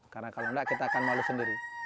karena kalau enggak kita akan malu sendiri